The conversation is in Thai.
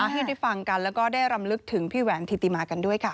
ให้ได้ฟังกันแล้วก็ได้รำลึกถึงพี่แหวนธิติมากันด้วยค่ะ